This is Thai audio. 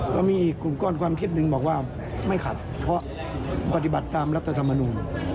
ก็มีอีกกลุ่มก้อนความคิดหนึ่งบอกว่าไม่ขัดเพราะปฏิบัติตามรัฐธรรมนูล